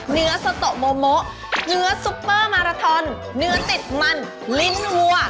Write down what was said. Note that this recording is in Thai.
เนื้อโซโตโมโมเนื้อซุปเปอร์มาราทอนเนื้อติดมันลิ้นวัว